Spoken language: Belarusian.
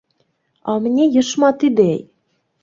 А ў мяне ёсць шмат ідэй.